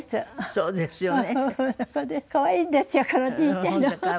そうですよね。